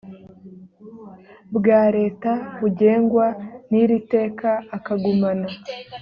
bwa leta bugengwa n iri teka akagumana